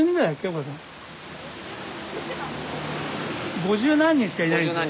五十何人しかいないんですよ。